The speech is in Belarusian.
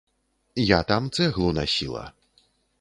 Я там цэглу насіла.